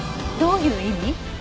どういう意味？